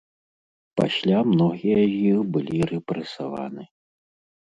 Пасля многія з іх былі рэпрэсаваны.